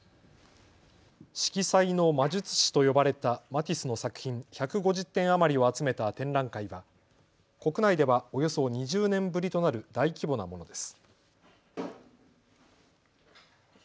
色彩の魔術師と呼ばれたマティスの作品１５０点余りを集めた展覧会は国内ではおよそ２０年ぶりとなる大規模なものです。